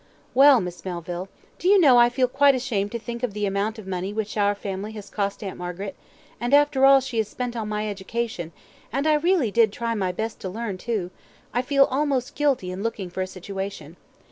"Well, Miss Melville, do you know I feel quite ashamed to think of the amount of money which our family has cost Aunt Margaret; and after all she has spent on my education, and I really did try my best to learn too, I feel almost guilty in looking for a situation.